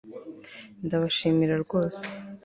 Ndabashimira rwose